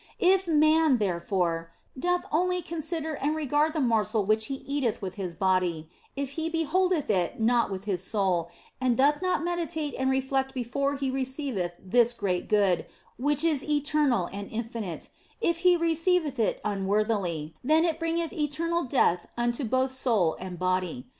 If man, therefore, doth only consider and regard the morsel which he eateth with his body, if he beholdeth it not with his soul, and doth not meditate and reflect before he receiveth this great good, which is eternal and infinite, if he receiveth it unworthily, then it bringeth eternal death unto both soul and body.